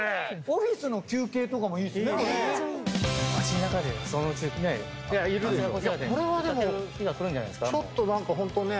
オフィスの休憩とかもいいですね、これね。